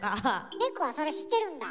ネコはそれ知ってるんだ？